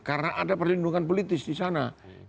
karena ada perlindungan politis disana